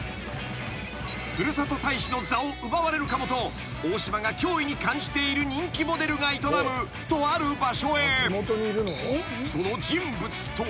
［ふるさと大使の座を奪われるかもと大島が脅威に感じている人気モデルが営むとある場所へ］